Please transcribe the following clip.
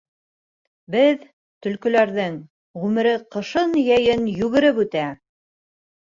Беҙ, төлкөләрҙең, ғүмере ҡышын-йәйен йүгереп үтә...